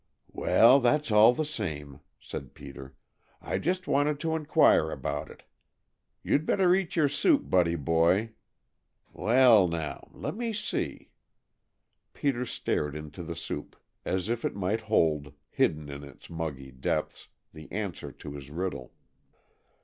"Well, that's all the same," said Peter. "I just wanted to enquire about it. You'd better eat your soup, Buddy boy. Well, now, let me see!" Peter stared into the soup, as if it might hold, hidden in its muggy depths, the answer to his riddle.